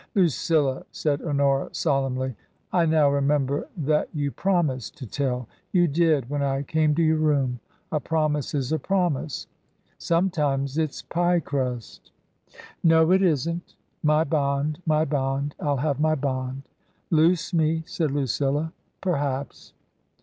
" Lucilla," said Honora, solemnly, " I now remember that you promised to tell. You did — ^when I came to your room. A promise is a promise." " Sometimes it's pie crust." \ TRANSITION. 97 " No, it isn't. My bond ^my bond ! I'll have my bond !"" Loose me," said Lucilla —*' perhaps."